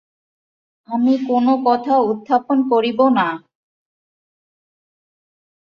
আমি কোনো কথা উত্থাপন করিব না।